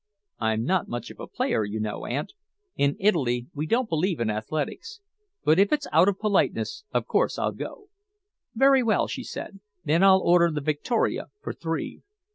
"I'm not much of a player, you know, aunt. In Italy we don't believe in athletics. But if it's out of politeness, of course, I'll go." "Very well," she said. "Then I'll order the victoria for three."